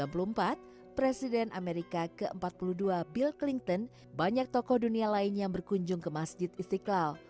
sebelumnya pada seribu sembilan ratus sembilan puluh empat presiden amerika ke empat puluh dua bill clinton banyak tokoh dunia lain yang berkunjung ke masjid istiqlal